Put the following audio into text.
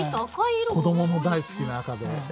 子どもの大好きな赤で。